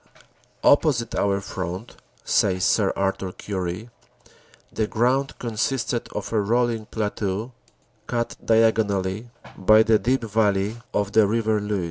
"Opposite our front," says Sir Arthur Currie, "the ground consisted of a rolling plateau cut diagonally by the deep valley of the River Luce.